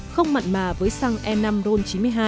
không mặn mà với xăng e năm ron chín mươi hai